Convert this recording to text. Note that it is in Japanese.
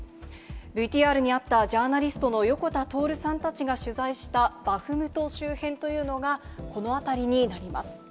ＶＴＲにあったジャーナリストの横田徹さんたちが取材したバフムト周辺というのが、この辺りになります。